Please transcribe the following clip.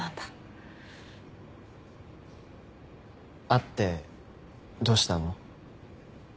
会ってどうしたの？